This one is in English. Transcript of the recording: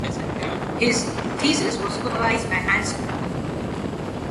His thesis was supervised by Hans Kuhn.